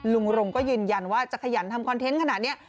ลุงรงก็ยืนยันว่าจะขยันทำคอนเทนต์ขนาดนี้